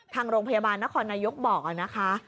ทางโรงพยาบาลนครนายกบอกนะคะ